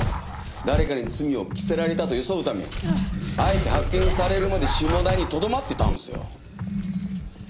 誰かに罪を着せられたと装うためあえて発見されるまで下田にとどまってたんですよ。